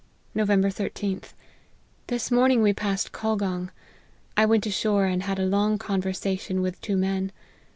" Nov. 13th. This morning we passed Col gong. I went ashore and had a long conversation with two men.